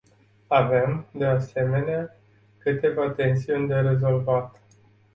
Avem, de asemenea, câteva tensiuni de rezolvat.